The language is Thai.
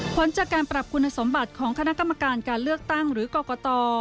ผลจากการปรับคุณสมบัติของคณะกรรมการการเลือกตั้งหรือกรกต